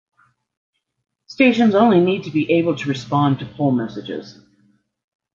Stations only need to be able to respond to poll messages.